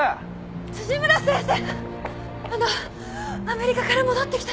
アメリカから戻ってきたって。